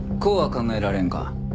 こうは考えられんか？